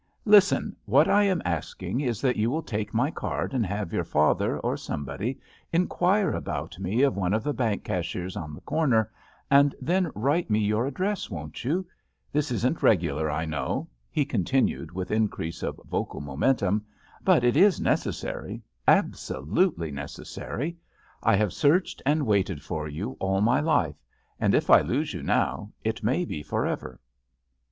Listen; what I am asking is that you will take my card and have your father, or somebody, inquire about me of one of the bank cashiers on the corner, and JUST SWEETHEARTS J^ then write me your address, won't you ? This isn't regular, I know," he continued with in crease of vocal momentum, "but it is neces sary — absolutely necessary. I have searched and waited for you all my life, and if I lose you now it may be forever."